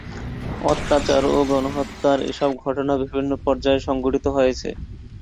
অত্যাচার ও গণহত্যার এসব ঘটনা বিভিন্ন পর্যায়ে সংঘটিত হয়েছে।